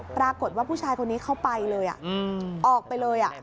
ปรากฏว่าผู้ชายคนนี้เข้าไปเลยออกไปเลย